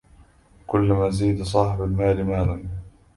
كلما زيد صاحب المال مالا